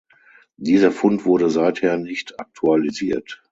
Dieser Fund wurde seither nicht aktualisiert.